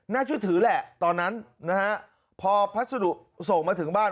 เชื่อถือแหละตอนนั้นนะฮะพอพัสดุส่งมาถึงบ้าน